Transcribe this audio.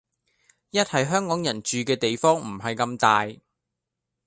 一係香港人住嘅地方唔係咁大